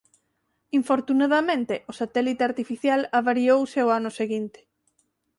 Infortunadamente o satélite artificial avariouse ó ano seguinte.